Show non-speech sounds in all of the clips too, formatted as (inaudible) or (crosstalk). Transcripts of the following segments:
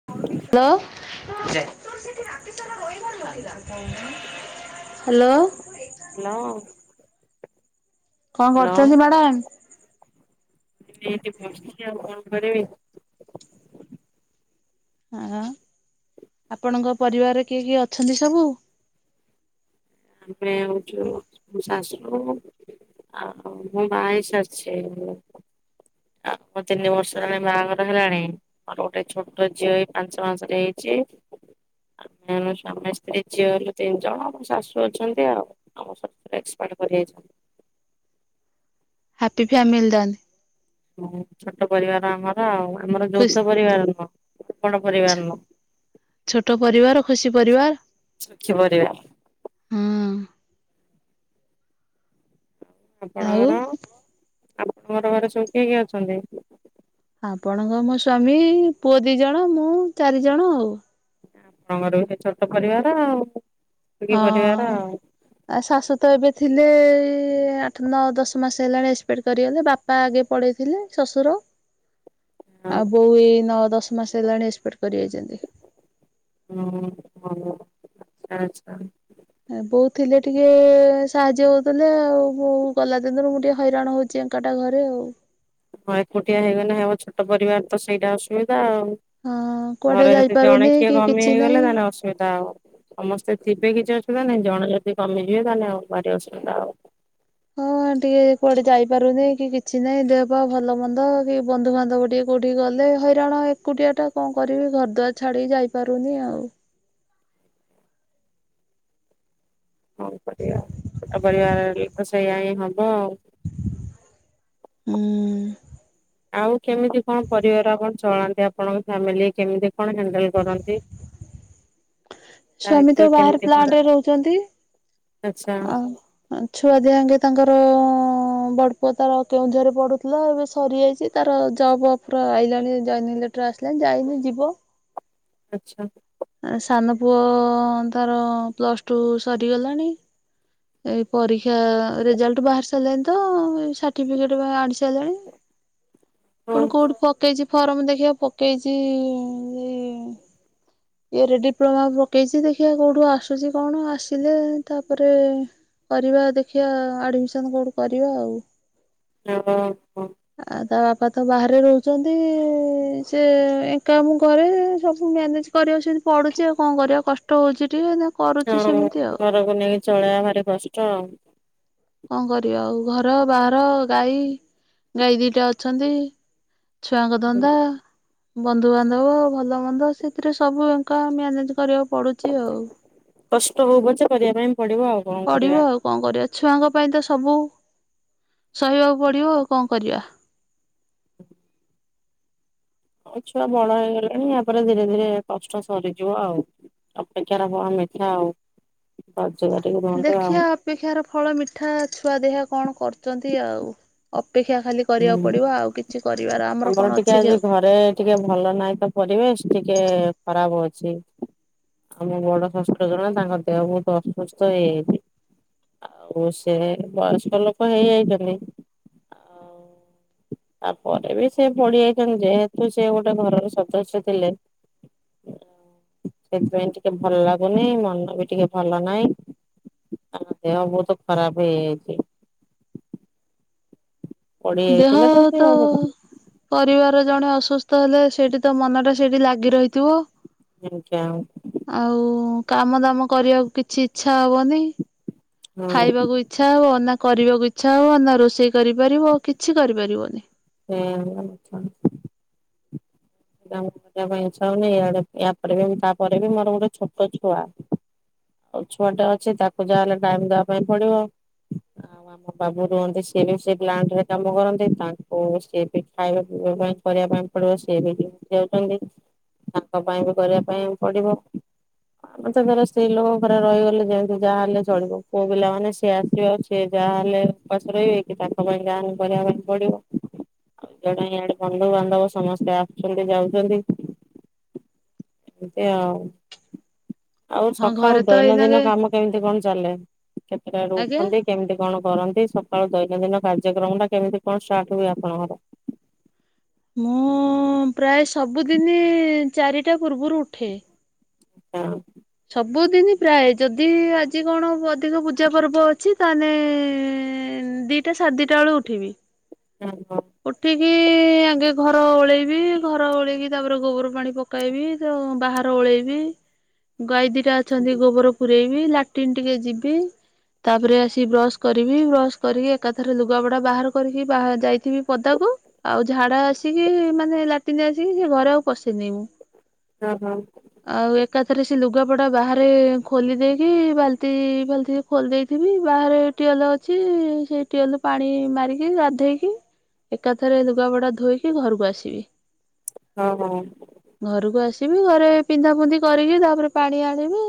Hello (unintelligible) (unintelligible) (unintelligible) hello. Hello. କଣ hello କରୁଛନ୍ତି madam? (inaudible) ଏଠି ବସିଛି ଆଉ କଣ କରିବି। ଅଁ ଆପଣଙ୍କ ପରିବାରରେ କିଏ କିଏ ଅଛନ୍ତି ସବୁ? ତାପରେ ହଉଛୁ ଶାଶୁ ଆ ମୁଁ ବାଇସ ଅଛି। ଆଉ ମୋ ତିନି ବର୍ଷ ହେଲାଣି ବାହାଘର ହେଲାଣି। ମୋର ଗୋଟେ ଛୋଟ ଝିଅ ଏଇ ପାଞ୍ଚ ମାସ ରେ ହେଇଚି। ଆମେ ଆମ ସ୍ୱାମୀ ସ୍ତ୍ରୀ ଝିଅ ହେଲୁ ତିନି ଜଣ, ଆମ ଶାଶୁ ଅଛନ୍ତି ଆଉ। ଆମ ଶଶୁର ଏକ୍ସପାର୍ଡ କରିଯାଇଚନ୍ତି। ହାପି ଫାମିଲି (unintelligible) ହୁଁ, ଛୋଟ ପରିବାର ଆମର। ହଁ, ଆମର ଖୁସି ଯୌଥ ପରିବାର ନୁହଁ, ବଡ଼ ପରିବାର ନୁହଁ। ଛୋଟ ପରିବାର ଖୁସି ପରିବାର। ସୁଖୀ ପରିବାର। ହଁ ଆଉ ଆପଣଙ୍କର? ଆପଣଙ୍କର ଘରେ ସବୁ କିଏ କିଏ ଅଛନ୍ତି? ଆପଣଙ୍କ ମୋ ସ୍ଵାମୀ, ପୁଅ ଦି ଜଣ, ମୁଁ ଚାରି ଜଣ ଆଉ। ଆପଣଙ୍କର ବି ସେଇ ଛୋଟ ପରିବାର ଆଉ। ଏତିକି ହଁ। ପରିବାର ଆଉ। ଆ, ଶାଶୁ ତ ଏବେ ଥିଲେ, ଏଇ ଆଠ ନଅ ଦଶ ମାସ ହେଲାଣି ଏକ୍ସପେକ୍ଟ କରିଗଲେ, ବାପ୍ ବାପା ଆଗେ ପଡେଇଥିଲେ ଶଶୁର। ଆଉ ହଁ ବୋଉ ଏଇ ନଅ ଦଶ ମାସ ହେଲାଣି, ଏକ୍ସପେକ୍ଟ କରି ଯାଇଚନ୍ତି। ହୁଁ, ହ, ଆଛା ଆଛା। ବୋଉ ଥିଲେ ଟିକେ ସାହାଯ୍ୟ ହଉଥିଲେ ଆଉ, ବୋଉ ଗଲା ଦିନରୁ ମୁଁ ଟିକେ ହଇରାଣ ହଉଚି। ଏକାଟା ଘରେ ଆଉ। ହଁ, ଏକୁଟିଆ ହେଇଗଲେ ହେବ, ଛୋଟ ପରିବାର ତ, ସେଇଟା ଅସୁବିଧା ଆଉ। ହଁ କୁଆଡେ ଘରେ ଯଦି ଜଣେ ଯାଇପାରୁନି କିିଏ କି କମି କିଛି ନାହିଁ। ହେଇଗଲେ, ତାହେଲେ ଅସୁବିଧା ହେବ। ସମସ୍ତେ ଥିବେ କିଛି ଅସୁବିଧା ନାହିଁ, ଜଣେ ଯଦି କମିଯିବେ, ତାହେଲେ ଆଉ ଭାରି ଅସୁବିଧା ହବ। ହଁ, ଟିକେ କୁଆଡେ ଯାଇପାରୁନି, କି କିଛି ନାଇଁ, ଦେହ ପା ଭଲ ମନ୍ଦ କି ବନ୍ଧୁବାନ୍ଧବ ଟିକେ କୋଉଠି ଗଲେ, ହଇରାଣ, ଏକୁଟିଆ ଟା କଣ କରିବି? ଘରଦୁଆର ଛାଡିକି ଯାଇପାରୁନି ଆଉ। କଣ କରିବା ଆଉ, ଛୋଟ ପରିବାର ହେଲେ ତ, ସେଇଆ ହିଁ ହବ ଆଉ। ହୁଁ। ଆଉ କେମିତି କଣ ପରିବାର ଆପଣ ଚଳାନ୍ତି? ଆପଣଙ୍କ ଫ୍ୟାମିଲି କେମିତି କଣ ହେ ହାଣ୍ଡେଲ କରନ୍ତି? ସ୍ୱାମୀ ତ ଦାୟିତ୍ୱ ବାହାରେ କେମିତି କଣ ପ୍ଲାଣ୍ଟରେ ରହୁଚନ୍ତି, ଆଚ୍ଛା ଆଉ ଛୁଆ ଦିହାଙ୍କେ ତାଙ୍କର ଅ ହଁ ବଡ଼ପୁଅ ତାର କେଉଁଝରରେ ପଢୁଥିଲା, ଏବେ ସରିଯାଇଚି, ତାର ଜବ୍ ଅଫର ଆଇିଲଣି ଜଏନିଙ୍ଗ ଲେ ଲେଟର ଆସିଲାଣି, ଯାଇନି ଯିବ। ଆଛା। ସାନ ପୁଅ ତାର ପ୍ଲସ୍ ଟୁ ସରିଗଲାଣି। ଏଇ ପରୀକ୍ଷା ରେଜାଲ୍ଟ ବାହାରି ସାରିଲାଣି ତ, ଏଇ ସାର୍ଟିଫିକେଟ ବି ଆଣି ସାରିଲାଣି। ହଉ। କଣ କଉଠି ପ ପକେଇଚି ଫର୍ମ ଦେଖିଆ, ପକେଇଚି ଇ ଇ ଇଏରେ ଡିପ୍ଲୋମା ପକେଇଚି, ଦେଖିବା କୋଉଠୁ ଆସୁଚି କଣ, ଆସିଲେ ତାପରେ କରିବା ଦେଖିବା ଆଡମିସନ କୋଉଠି କରିବା ଆଉ। ଓ ଓ ହୋ। ଆଉ ତା ବାପା ତ ବାହାରେ ରହୁଚନ୍ତି, ସେ ଏକା ମୁଁ କରେ, ସବୁ ମ୍ୟାନେଜ କରିବାକୁ ସେମି ପଡୁଚି ଆଉ କଣ କରିବା, କଷ୍ଟ ହଉଚି ଟିକେ ହଁ, କରୁଛି ସେମିତି ଆଉ ଘରକୁ ନେଇକି ଚଳେଇବା ଭାରି କଷ୍ଟ ଆଉ। କଣ କରିବା ଆଉ, ଘର ବାହାର ଗାଈ ଗାଈ ଦିଟା ଅଛନ୍ତି ଛୁଆଙ୍କ ଧନ୍ଦା। ବନ୍ଧୁବାନ୍ଧବ ଭଲ ମନ୍ଦ ସେଥିରେ ସବୁ ଏକା ମ୍ୟାନେଜ କରିବାକୁ ପଡୁଚି ଆଉ। କଷ୍ଟ ହଉ ପଛେ କରିବା ପାଇଁ ପଡିବ ଆଉ। କଣ କରିବା। ପଡିବ ଆଉ କଣ କରିବା ଛୁଆଙ୍କ ପାଇଁ ତ ସବୁ ସହିବାକୁ ପଡିବ ଆଉ କଣ କରିବା। ଆଉ ଛୁଆ ବଡ ହେଇଗଲେଣି ୟାପରେ ଧୀରେ ଧୀରେ କଷ୍ଟ ସରିଯିବ ଆଉ। ଅପେକ୍ଷା ର ଫଳ ମିଠାଆଉ। (unintelligible) ଦେଖିଆ ଅପେକ୍ଷାର ଫଳ ମିଠାଆ ଛୁଆ ଦେଖିଆ କଣ କରୁଚନ୍ତି ଆଉ ଅପେକ୍ଷା ଖାଲି କରିବାକୁ ହୁଁ। ପଡିବ ଆଉ କିଛି କରିବାର ଆମର କଣ ଟିକେ ଅଛି କି ଆଜି ଆଉ ଘରେ ଟିକେ ଭଲ ନାହିଁ ତ ପରିବେଶ ଟିକେ ଖରାପ ହଉଚି। ଆମ ବଡଶଶୁର ଜଣେ ତାଙ୍କ ଦେହ ବହୁତ ଅସୁସ୍ଥ ହେଇଯାଇଚି। ଆଉ ସେ ବୟସ୍କ ଲୋକ ହେଇଯାଇଛନ୍ତି ତା ପରେରେ ବି ସେ ପଢି ଯାଇଛନ୍ତି ଯେହେତୁ ସେ ଗୋଟେ ଘରର ସଦସ୍ୟ ଥିଲେ ସେଥିପାଇଁ ଟିକେ ଭଲ ଲାଗୁନି ମନ ବି ଟିକେ ଭଲ ନାହିଁ ତାଙ୍କ ଦେହ ବହୁତ ଖରାପ ହେଇଯାଇଚି। ପଡି ଦେହ ଯାଇଥିଲେ ସେ ତ ଆଉ ପରିବାର ଜଣେ ଅସୁସ୍ଥ ହେଲେ ସେଇଠି ତ ମନ ଟା ସେଇଠି ଲାଗି ରହିଥିବ। ନି (unintelligible) ଆଉ କାମ ଦାମ କରିବାକୁ କିଛି ଇଚ୍ଛା ହବନି ଖାଇବାକୁ ଇଚ୍ଛା ହବ ନା କରିବାକୁ ଇଚ୍ଛା ହବ ନା ରୋଷେଇ କରିପାରିବ କିଛି କରିପାରିବନି। ହୁଁ କାମ କରିବା ପାଇଁ ଇଛା ହଉନି ଆଡେ ୟାପରେ ବି ତାପରେ ବି ମୋର ଗୋଟେ ଛୋଟ ଛୁଆ ଆଉ ଛୁଆ ଟା ଅଛି ତାକୁ ଯାହାହେଲେ ଟାଇମ ଦବା ପାଇଁ ପଡିବ। ଆଉ ଆମ ବାବୁ ରୁହନ୍ତି ସିଏ ବି ସେ ପ୍ଲାଣ୍ଟ ରେ କାମ କରନ୍ତି ତାଙ୍କୁ ସିଏ ବି ଖାଇବା ପିଇବା ପାଇଁ କରିବା ପାଇଁ ପଡିବ ସି ବି ଡିଉଟି ଯାଉଛନ୍ତି ତାଙ୍କ ପାଇଁ ବି କରିବା ପାଇଁ ପଡିବ ଆମ ତ ଧର ସ୍ତ୍ରୀ ଲୋକଙ୍କ ପୁରା ରହିଗଲେ ଯେମିତି ଯାହାହଲେ ଚଳିବ ପୁଅ ପିଲାମାନେ ସିଏ ଆସିବେ ଅ ସିଏ ଯାହାହଲେ ଉପସ ରହିବେ କି ତାଙ୍କ ପାଇଁ ଯାହାଲେ କରିବା ପାଇଁ ପଡିବ। ଆଉ ଜଣେଆଡେ ବନ୍ଧୁବାନ୍ଧବ ସମସ୍ତେ ଆ ଆସୁଛନ୍ତି ଯାଉଛନ୍ତି ଏମତି ଆଉ ଆଉ ହଁ ସକାଳୁ ଘରେ ତ ଦୈନନ୍ଦିନ ଏଇନାକେ କାମ କେମିତି କଣ ଚାଲେ କେତେଟାରୁ ଆଜ୍ଞା ଉଠନ୍ତି? କେମିତି କଣ କରନ୍ତି ସକାଳୁ ଦୈନନ୍ଦିନ କାର୍ଯ୍ୟକ୍ରମ ଟା କେମିତି କଣ ଷ୍ଟାର୍ଟ ହୁଏ ଆପଣଙ୍କର? ମୁଁ ପ୍ରାୟ ଏ ସବୁଦିନି ଇ ଚାରିଟା ପୂର୍ବରୁ ଉଠେ ହଁ। ସବୁଦିନ ପ୍ରାୟ ଯଦି ଆଜି କଣ ଅଧିକ ପୂଜା ପର୍ବ ଅଛି ତାହେଲେ ଏ ଦିଟା ସାଢେ ଦିଟା ବେଳୁ ଉଠିବି। ହଁ ହଁ। ଉଠିକି ଇ ଆଗେ ଘର ଓଳେଇବି ଘର ଓଳେଇକି ତାପରେ ଗୋବର ପାଣି ପକ ପକାଇବି ତ ବାହାର ଓଳେଇବି ଗାଈ ଦିଟା ଅଛନ୍ତି ଗୋବର ପୁରେଇବି ଲାଟିନ୍ ଟିକେ ଯିବି ତାପରେ ଆସି ବ୍ରଶ କରିବି ବ୍ରଶ କରିକି ଏକାଥରେ ଲୁଗାପଟା ବାହାର କରିକି ଯାଇଥିବି ପଦାକୁ ଆଉ ଝାଡା ଆସିକି ମାନେ ଲାଟିନି ଆସିକି ସେ ଘରେ ଆଉ ପସେଇନାଇଁ ମୁଁ ହଁ ହଁ। ଆଉ ଏକାଥରେ ସେ ସେ ଲୁଗାପଟା ବାହାରେ ଖୋଲି ଦେଇକି ବାଲ୍ଟି ବାଲ୍ଟି ଖୋଲି ଦେଇଥିବି ବାହାରେ ଟିଅଲ୍ ଅଛି ସେଇ ଟିଏଲରୁ ପାଣି ମାରିକି ଗାଧୋଇକି ଏକାଥରେ ଲୁଗାପଡା ଧୋଇକି ଘରକୁ ଆସିବି। ହଁ ହଁ। ଘରକୁ ଆସିବି ଘରେ ପିନ୍ଧା ପୁନ୍ଧି କରିକି ତାପରେ ପାଣି ଆଣିବି,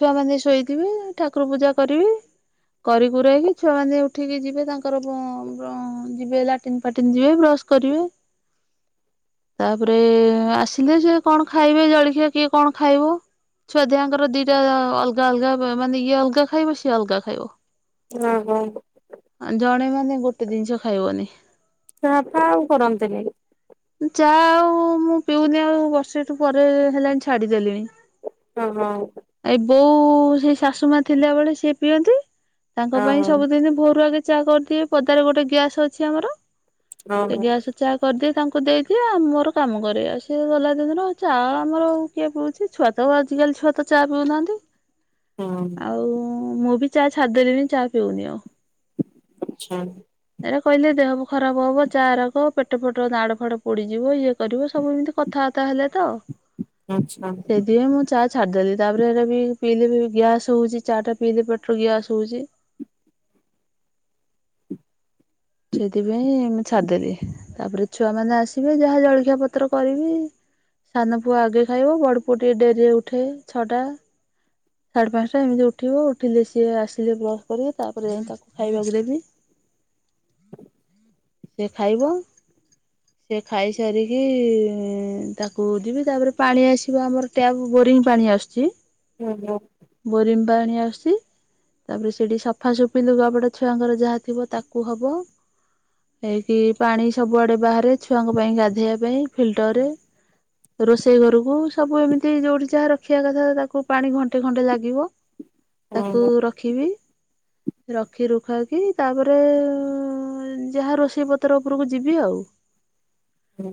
ଛୁଆମାନେ ଶୋଇଥିବେ ଠାକୁର ପୂଜା କରିବି। କରିକୁରେଇକି ଛୁଆମାନେ ଉଠିକି ଯିବେ ତାଙ୍କର (unintelligible) ଯିବେ ଲାଟିନ୍ ଫାଟିନ୍ ଯିବେ ବ୍ରଶ କରିବେ। ତାପରେ ରେ ଆସିଲେ ଯେ କଣ ଖାଇବେ ଜଳଖିଆ କିଏ କଣ ଖାଇବ? ଛୁଆ ଦିହାଙ୍କର ଦିଟା ଅ ଅଲଗା ଅଲଗା ମାନେ ଇଏ ଅଲଗା ଖାଇବ ସିଏ ଅଲଗା ଖାଇବ। ହୁଁ ହୁଁ। ଜଣେ ମାନେ ଗୋଟେ ଜିନିଷ ଖାଇବନି। ଚା ଫା ଆଉ କରନ୍ତିନି। ଚା ଆଉ ମୁଁ ପିଉନି ଆଉ ବର୍ଷେଠୁ ପରେ ହେଲାଣି ଛାଡିଦେଲିଣି। ହଁ, ହଁ। ଏ ବୋଉ ସେ ଶାଶୁ ମା ଥିଲା ବଳେ ସେ ପିଅନ୍ତି ତାଙ୍କ ହଁ ପାଇଁ ହଁ ସବୁଦିନ ଭୋରୁ ଆଗେ ଚା କରିଦିଏ ପଦାରେ ଗୋଟେ ଗ୍ୟାସ୍ ଅଛି ଆମର, ସେ ହଁ ଗ୍ୟାସ୍ ଚା କରିଦିଏ ତାଙ୍କୁ ଦେଇଦିଏ ମୋର କାମ କରେ ସିଏ ଗଲା ଦିନରୁ ଚା ଆମର କିଏ ପିଉଛି ଛୁଆ ତ ଆଜିକାଲି ଛୁଆ ତ ଚା ହଁ ପିଉନାହାନ୍ତି- ଆଉ ମୁଁ ବି ଚା ଛାଡି ଦେଲିଣି ଚା ପିଉନି ଆଉ। (inaudible) ଏରା କହିଲେ ଦେହ ଖରାପ ହବ ଚା ରକ ପେଟ ଫେଟ ନାଡ ଫାଡ ପୋଡିଯିବ ଇଏ କରିବ ସବୁ ଏମିତି କଥ ଥା ବାର୍ତ୍ତି ହେଲେ ତ। ଆଚ୍ଛା। ଦିଏ, ମୁଁ ଚା ଛାଡିଦେଲି ତାପରେ ହେରା ପିଇଲେ ଗ୍ୟାସ ହଉଛି ଚା ଟା ପିଇଲେ ପେଟରେ ଗ୍ୟାସ୍ ହଉଛି। ସେଥିପାଇଁ ମୁଁ ଛାଡ଼ିଦେଲି, ତାପରେ ଛୁଆ ମାନେ ଆସିବେ ଯାହା ଜଳଖିଆ ପତ୍ର କରିବି। ସାନ ପୁଅ ଆଗେ ଖାଇବ ବଡ଼ପୁଅ ଟିକେ ଡେରିରେ ଉଠେ ଛଅଟା ସାଢ଼େ ପାଞ୍ଚଟା ଏମିତି ଉଠିବ ଉଠିଲେ ସିଏ ଆସିଲେ ବ୍ରସ୍ କରି ତାପରେ ଯାଇ ତାକୁ ଖାଇବାକୁ ଦେବି। ସେ ଖାଇବ। ସେ ଖାଇସାରିକି ଇ ତାକୁ ଯିବି ତାପରେ ପାଣି ଆସିବ ଆମର ଟ୍ୟାବ୍ ବୋରିଙ୍ଗ ପାଣି ଆସୁଛି। (inaudible) ହୁଁ ହୁଁ। ବୋରିଙ୍ଗ୍ ପାଣି ଆସୁଛି। ତାପରେ ସେଠି ସଫାସଫି ଲୁଗାପଟା ଛୁଆଙ୍କର ଯାହା ଥିବ ତାକୁ ହବ। ହେଇକି ପାଣି ସବୁଆଡେ ବାହାରେ ଛୁଆଙ୍କ ପାଇଁ ଗାଧୋଇବା ପାଇଁ ଫିଲ୍ଟରରେ ରୋଷେଇ ଘରକୁ ସବୁ, ଏମିତି ଯୋଉଠି ଯାହା ରଖିବା କଥା ତାକୁ ପାଣି ଘଣ୍ଟେ ଖଣ୍ଟେ ଲାଗିବ। ତାକୁ ରଖିବି, ରଖି ରୁଖାକି ତାପରେ ଯାହା ରୋଷେଇ ପତ୍ର ଉପରକୁ ଯିବି ଆଉ। ହୁଁ।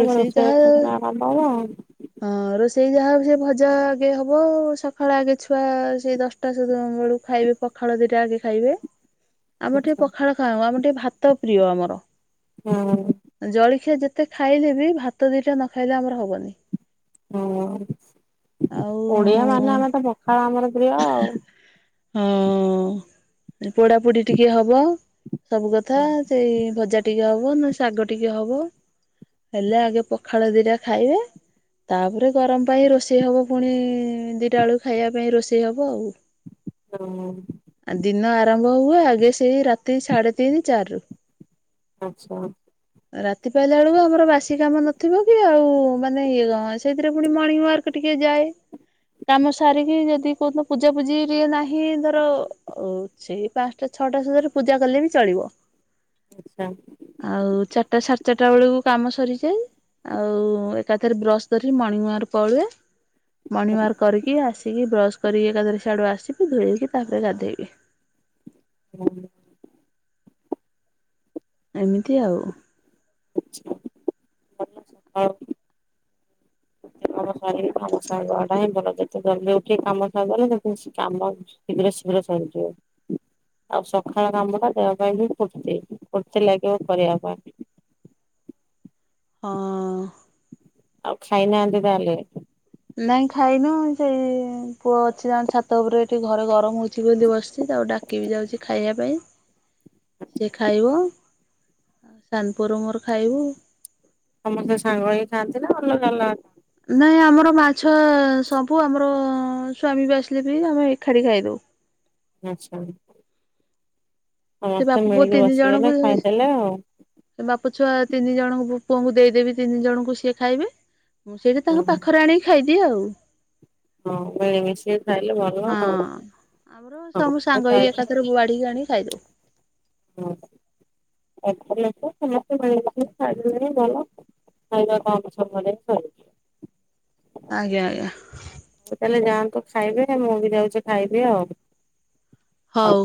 ହ ରୋଷେଇ ଆରମ୍ଭ ହବ ଆଉ। (unintelligible) ହଁ ରୋଷେଇ ଯାହା ଦର୍ ସେ ଭଜା ଆଗେ ହବ ସକାଳ ଆଗେ ଛୁଆ ସେଇ ଦଶ ଟା ସଧୁ ବେଳକୁ ଖାଇବେ ପଖାଳ ଦିଟା ଆଗେ ଖାଇବେ। ଆମର ଟିକେ ଆଚ୍ଛା ପଖାଳ ଖାଉ ଆମର ଟିକେ ଭାତ ପ୍ରିୟ ଆମର। ହଁ। ଜଳଖିଆ ଯେତେ ଖାଇଲେ ବି ଭାତ ଦିଟା ନ ଖାଇଲେ ଆମର ହବନି। ହଁ, ଆଉ ଓଡିଆ ମାନେ ଆମେ ତ ପଖାଳ ଆମର ପ୍ରିୟ ଆଉ। ହଁ ପୋଡା ପୋଡି ଟିକିଏହବ ସବୁ କଥା ସେଇ ଭଜା ଟିକିଏ ହବ ନା ଶାଗ ଟିକିଏ ହବ ହେଲେ ଆଗେ ପଖାଳ ଦିଟା ଖାଇବେ ତାପରେ ଗରମ ପାଇଁ ରୋଷେଇ ହବ ପୁଣି ଦିଟା ବେଳକୁ ଖାଇବା ପାଇଁ ରୋଷେ ଷେଇ ହବ ଆଉ (unintelligible) ଆ ଦିନ ଆରମ୍ଭ ହୁଏ ଆଗେ ସେଇ ରାତି ସାଢେ ତିନି ଚାରି ରୁ। ଆଚ୍ଛା। ରାତି ପାହିଲା ବେଳକୁ ଆମର ବାସି କାମ ନଥିବକି ଆଉ ମାନେ ଇଏ କଣ ସେଇଥିରେ ପୁଣି ମର୍ଣ୍ଣିଙ୍ଗ ୱାର୍କ ଟିକିଏ ଯାଏ କାମ ସାରିକି ଯଦି କୋଉଦିନ ପୂଜାପୂଜି ଟିଏ ନାହିଁ ଧର ଓ ସେଇ ପାଞ୍ଚଟା ଛଅଟା ସୁଦ୍ଧାରୁ ପୂଜା କଲେବି ଚଳିବ। ଆଚ୍ଛା। ଆଉ ଚାରିଟା ସାଢେ ଚାରିଟା ବେଳକୁ କାମ ସରିଯାଏ। ଆଉ ଏକାଥରେ ବ୍ରଶ ଧରିକି ମର୍ଣ୍ଣିଙ୍ଗ ୱାର୍କ ପଳୁଏ। ମର୍ଣ୍ଣିଙ୍ଗ ୱାର୍କ କରିକି ଆସିକି ବ୍ରଶ କରିକି ଏକାଥରେ ସିଆଡୁ ଆସିକି ଧୋଇକି ତାପରେ ଗାଧେଇବି। (unintelligible) ଏମିତି ଆଉ (unintelligible) (unintelligible) କାମ ସାରିକି କାମ ସାରିବାଟାହିଁ ଭଲ ଯେତେ ଜଲଦି ଉଠିକି କାମ ସାରିଦେଲ (unintelligible) କାମ ଶୀଘ୍ର ଶୀଘ୍ର ସରିଯିବ। ଆଉ ସକାଳ କାମଟା ଦେହ ପାଇଁବି ଫୁର୍ତ୍ତି ଫୁର୍ତ୍ତି ଲାଗିବ କରିବା ପାଇଁ ହଁ। ଆଉ ଖାଇନାହାଁନ୍ତି ତାହେଲେ। ନାଇଁ ଖାଇନୁ ସେଇ ପୁଅ ଅଛି ଜଣେ ଛାତ ଉପରେ ଏଠି ଘରେ ଗରମ ହଉ ଛି ବୋଲି ବସିଛି ତାକୁ ଡାକିବି ଯାଉଚି ଖାଇବା ପାଇଁ ସିଏ ଖାଇବ ସାନପୁଅର ମୋର ଖାଇବୁ। ସମସ୍ତେ ସାଙ୍ଗ ହେଇ ଖାଆନ୍ତିନା ଅଲଗା ଅଲଗା ନାଇଁ ଆମର ମାଛ ସବୁ ଆମର ସ୍ୱାମୀବି ଆସିଲେବି ଆମେ ଏକାଠି ଖାଇଦଉ। ଆଚ୍ଛା। ସେ ସମସ୍ତେ ବାପା ପୁଅ ମିଳିକି ତିନି ବସିଗଲେ ଜଣଙ୍କୁ ଖାଇଦେଲେ ଆଉ। ସେ ବାପ ଛୁଆ ତିନି ଜଣଙ୍କୁ ପୁଅଙ୍କୁ ଦେଇଦେବି ତିନି ଜଣଙ୍କୁ ସିଏ ଖାଇବେ ମୁଁ ସେଇଟା ହଁ ତାଙ୍କ ପାଖରେ ଆଣିକି ଖାଇଦିଏ ଆଉ ହଁ (unintelligible) ସେ ଖାଇଲେ ଭଲ ଆଉ। ହଁ ଆମର ସବୁ ସାଙ୍ଗ ହେଇ ଏକାଥରେ ବାଢିକି ଆଣିକି ଖାଇଦଉ। ହଁ ଏଖାଟି ଅଛ ସମସ୍ତେ ମିଳି ମିଶି ଖାଇଦେଲେବି ଭଲ। ଖାଇବା କମ ସମୟରେ ଖାଇବୁ। ଆଜ୍ଞା ଆଜ୍ଞା ତାହେଲେ ଯାଆନ୍ତୁ ଖାଇବେ ମୁଁବି ଯାଉଚି ଖାଇବି ଆଉ ହଉ